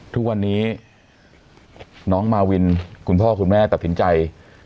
ทุกวันนี้น้องมาวินคุณพ่อคุณแม่ตัดสินใจ